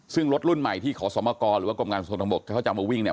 ซึ่งรถรุ่นใหม่ที่ขอสมกรหรือว่ากรมการส่งทางบกเขาจะเอามาวิ่งเนี่ย